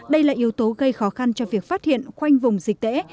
đây là yếu tố gây khó khăn cho việc phát hiện khoanh vùng dịch tễ